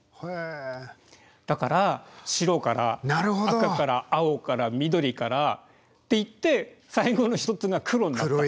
赤から青から緑からっていって最後の一つが黒になった。